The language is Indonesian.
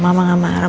mama nggak marah